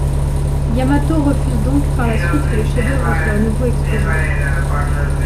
Yamato refuse donc par la suite que le chef-d'œuvre soit à nouveau exposé.